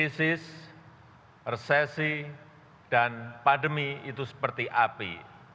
krisis resesi dan pandemi itu seperti api